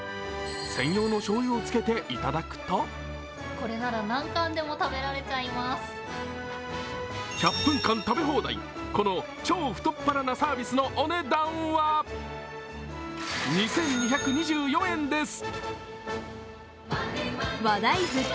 専用のしょうゆをつけて頂くと１００分間食べ放題、この超太っ腹なサービスのお値段は２２２４円です。